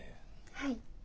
はい。